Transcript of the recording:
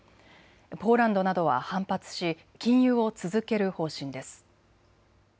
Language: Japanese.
ポーランドなどは反発し禁輸を続ける方針です。